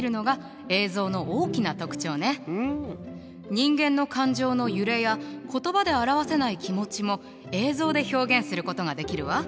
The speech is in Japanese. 人間の感情の揺れや言葉で表せない気持ちも映像で表現することができるわ。